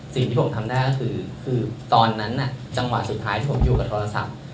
สิ่งที่ผมทำได้ก็คือคือตอนนั้นจังหวะสุดท้ายผมอยู่กับโทรศัพท์